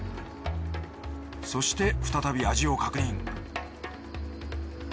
そして再び味を確認